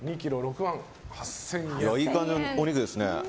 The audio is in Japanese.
いい感じのお肉ですね。